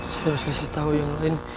saya harus kasih tahu yang lain